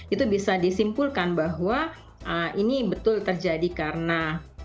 itu bisa disimpulkan bahwa ini betul terjadi karena